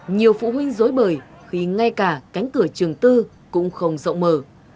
nhiều phụ huynh dối bời khi ngay cả cánh cửa trường tư cũng không rộng mở